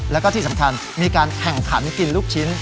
แล้วก็ที่สำคัญมีการแข่งขันกินลูกชิ้น